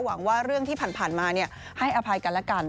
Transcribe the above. หวังว่าเรื่องที่ผ่านมาให้อภัยกันแล้วกัน